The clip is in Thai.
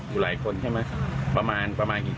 อยู่หลายคนใช่ไหมประมาณประมาณกี่คน